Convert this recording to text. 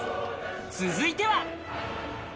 続いては。